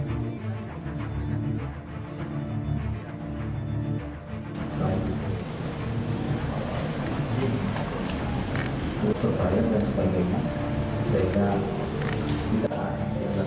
bias donald masyarakat kundal dia semakin bersamakan gitu hai sudah atau tidak